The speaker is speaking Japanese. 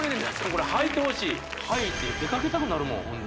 これ履いてほしい履いて出かけたくなるもん